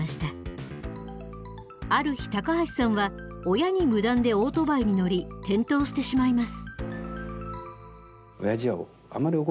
ある日高橋さんは親に無断でオートバイに乗り転倒してしまいます。